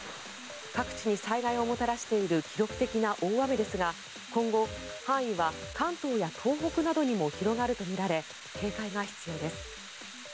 各地に災害をもたらしている記録的な大雨ですが今後、範囲は関東や東北などにも広がるとみられ警戒が必要です。